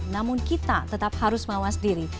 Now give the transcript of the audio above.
namun kita tetap harus mawas diri